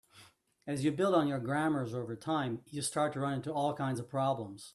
As you build on your grammars over time, you start to run into all kinds of problems.